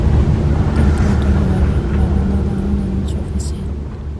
Tan pronto lo haya, la banda hará un anuncio oficial.